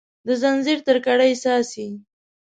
د ځنځیر تر کړۍ څاڅي